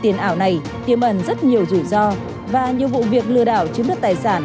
tiền ảo này tiêm ẩn rất nhiều rủi ro và nhiều vụ việc lừa đảo chiếm đất tài sản